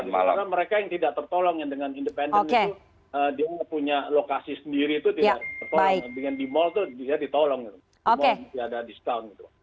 mall tidak ada diskon gitu